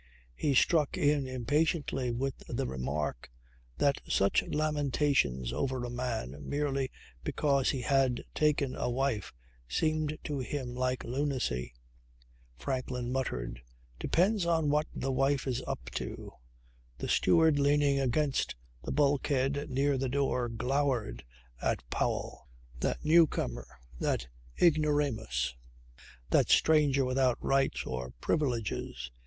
He struck in impatiently with the remark that such lamentations over a man merely because he had taken a wife seemed to him like lunacy. Franklin muttered, "Depends on what the wife is up to." The steward leaning against the bulkhead near the door glowered at Powell, that newcomer, that ignoramus, that stranger without right or privileges.